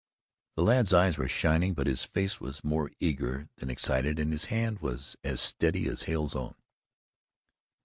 The lad's eyes were shining, but his face was more eager than excited and his hand was as steady as Hale's own.